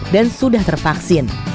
dan sudah tervaksin